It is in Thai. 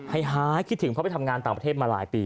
ให้คิดถึงเขาไปทำงานต่อประเทศมาหลายปี